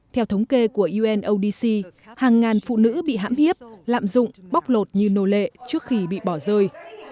theo thống kê của unodc hàng ngàn phụ nữ bị hãm hiếp lạm dụng bóc lột như nô lệ trước khi bị bỏ rơi